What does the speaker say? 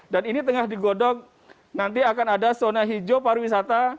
dan ini tengah digodok nanti akan ada zona hijau pariwisata